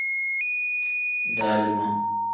Dalima.